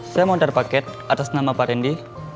saya mau daftar paket atas nama pak randy